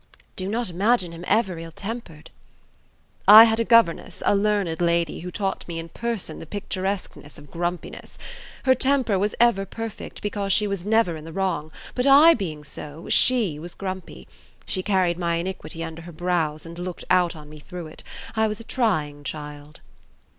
"Do not imagine him ever ill tempered." "I had a governess, a learned lady, who taught me in person the picturesqueness of grumpiness. Her temper was ever perfect, because she was never in the wrong, but I being so, she was grumpy. She carried my iniquity under her brows, and looked out on me through it. I was a trying child."